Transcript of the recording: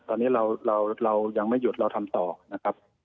ตอนนี้เรายังไม่หยุดเราทำต่อนะครับ